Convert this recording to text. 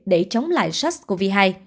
để chống lại sars cov hai